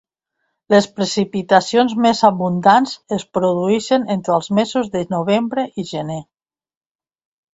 Les precipitacions més abundants es produeixen entre els mesos de novembre i gener.